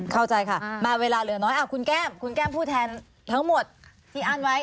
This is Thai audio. เข้าใจค่ะมาเวลาเหลือน้อยคุณแก้มคุณแก้มผู้แทนทั้งหมดที่อั้นไว้